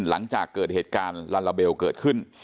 หลังจากเกิดเหตุการณ์ลาลาเบลเกิดขึ้น